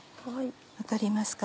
分かりますか？